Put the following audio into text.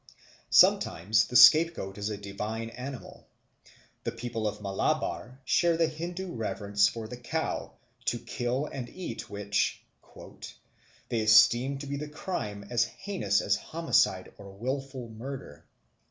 Sometimes the scapegoat is a divine animal. The people of Malabar share the Hindoo reverence for the cow, to kill and eat which "they esteem to be a crime as heinous as homicide or wilful murder."